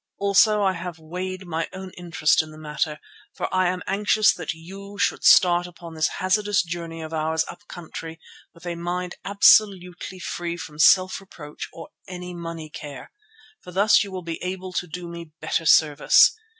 Also I have weighed my own interest in the matter, for I am anxious that you should start upon this hazardous journey of ours up country with a mind absolutely free from self reproach or any money care, for thus you will be able to do me better service.